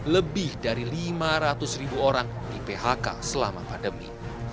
lebih dari lima ratus ribu orang di phk selama pandemi